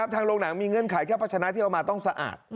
โรงหนังมีเงื่อนไขแค่พัชนะที่เอามาต้องสะอาด